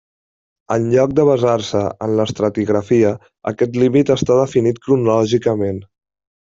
En lloc de basar-se en l'estratigrafia, aquest límit està definit cronològicament.